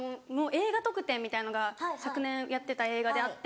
映画特典みたいのが昨年やってた映画であって。